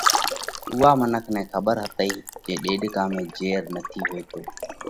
اُوئا منک نئہ کٻر هتئِي جي ڏيڏڪا ۾ جھير نٿِي هوئيتو